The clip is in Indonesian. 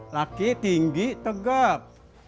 laki tinggi tegap